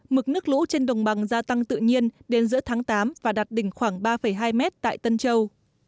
mực nước lũ trên đồng bằng gia tăng tự nhiên đến giữa tháng tám và đạt đỉnh khoảng ba hai mét tại tân châu